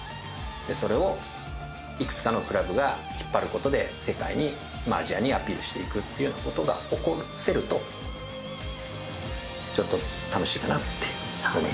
それをいくつかのクラブが引っ張る事で世界にアジアにアピールしていくっていうような事が起こせるとちょっと楽しいかなって思います。